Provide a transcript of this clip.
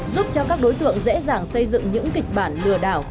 giúp cho các đối tượng dễ dàng xây dựng những kịch bản lừa đảo